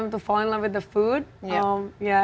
untuk mereka mencintai makanan